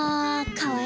かわいい！